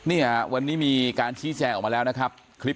อ่าวันนี้มีการชี้แชร์ออกมาแล้วนะครับ